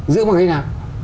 giữ bằng cách nào